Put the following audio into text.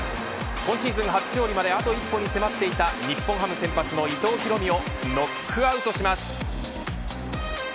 今シーズン初勝利まであと一歩に迫っていた日本ハム先発の伊藤大海をノックアウトします。